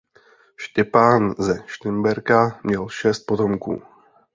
Štěpán ze Šternberka měl šest potomků.